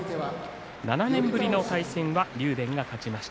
７年ぶりの対戦は竜電が勝ちました。